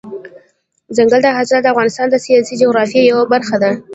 دځنګل حاصلات د افغانستان د سیاسي جغرافیې یوه برخه ده.